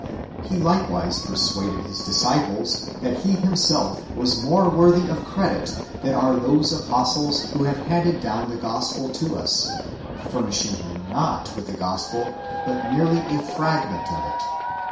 He likewise persuaded his disciples that he himself was more worthy of credit than are those apostles who have handed down the gospel to us, furnishing them not with the gospel, but merely a fragment of it.